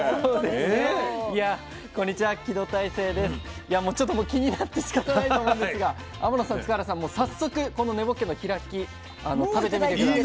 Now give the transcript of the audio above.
いやもうちょっと気になってしかたないと思うんですが天野さん塚原さんも早速この根ぼっけの開き食べてみて下さい。